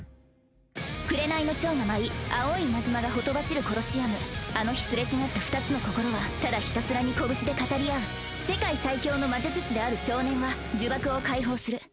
紅の蝶が舞い青い稲妻がほとばしるコロシアムあの日すれ違った二つの心はただひたすらに拳で語り合う「世界最強の魔術師である少年は、呪縛を解放する」